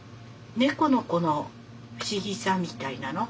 猫のこの不思議さみたいなの。